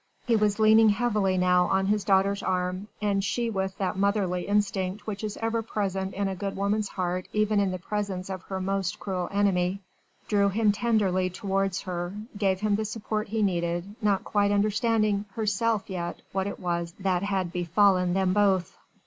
He was leaning heavily now on his daughter's arm, and she with that motherly instinct which is ever present in a good woman's heart even in the presence of her most cruel enemy, drew him tenderly towards her, gave him the support he needed, not quite understanding herself yet what it was that had befallen them both.